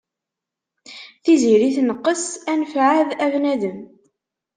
Tiziri tneqqes, anef ɛad a bnadem.